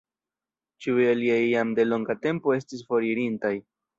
Ĉiuj aliaj jam de longa tempo estis foririntaj.